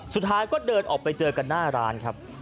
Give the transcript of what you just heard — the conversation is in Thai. สุดท้ายก็เดินออกไปเจอกันหน้าร้านครับ